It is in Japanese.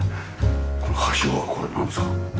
このはしごはこれなんですか？